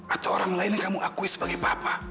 atau orang lain yang kamu akui sebagai papa